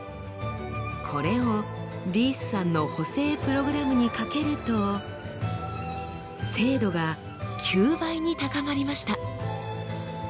これをリースさんの補正プログラムにかけると精度が９倍に高まりました。